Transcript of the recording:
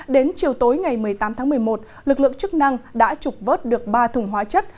đến chiều tối ngày một mươi tám tháng một mươi một lực lượng chức năng đã trục vớt được ba thùng hóa chất